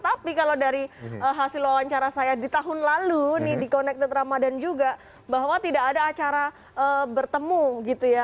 tapi kalau dari hasil wawancara saya di tahun lalu nih di connected ramadhan juga bahwa tidak ada acara bertemu gitu ya